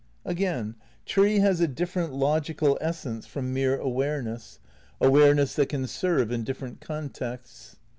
Again, tree has a different logical essence from mere awareness, awareness that can serve in different con texts.